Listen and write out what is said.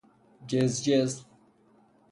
جزجز